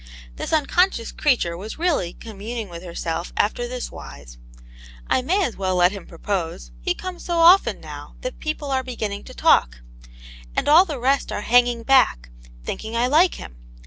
This unconscious creature was really communing with herself after this wise. "I may as well let him propose; he comes so often now that people are begvvitv\w« \.o \.*;iX)»«.v K^^ 14 Aunt yane*s Hero. all the rest are hanging back, thinking I like him.